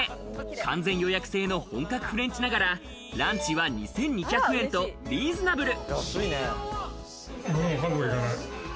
完全予約制の本格フレンチながらランチは２２００円とリーズナブル。